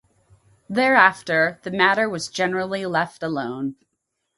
Thereafter, the matter was generally left alone.